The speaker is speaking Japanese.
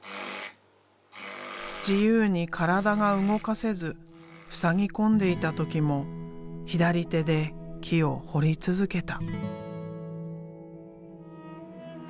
自由に体が動かせずふさぎ込んでいた時も左手で木を彫り続けた。